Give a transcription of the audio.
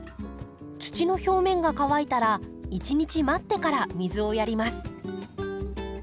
土の表面が乾いたら１日待ってから水をやります。